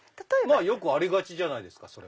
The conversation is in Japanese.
よくありがちじゃないですか？